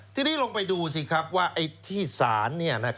ทีนี้ลองไปดูสิครับว่าที่ศาล